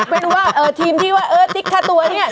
เป็นว่าทีมที่ว่าเออติ๊กค่าตัวเนี่ย